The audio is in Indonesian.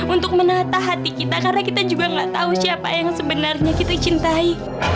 untuk menata hati kita karena kita juga nggak tahu siapa yang sebenarnya kita cintai